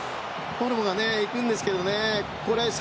オルモが行くんですけどね。